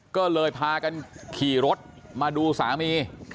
ก็เลยพากันขี่รถมาดูสามี